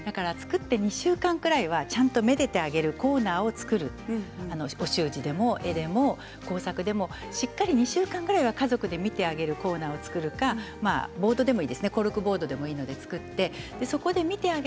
作って２週間ぐらいはちゃんとめでてあげるコーナーを作るお習字でも工作でもしっかり２週間ぐらいは家族でめでてあげるコーナーを作るコルクボードでもいいのでね。